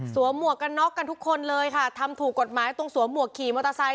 หมวกกันน็อกกันทุกคนเลยค่ะทำถูกกฎหมายตรงสวมหวกขี่มอเตอร์ไซค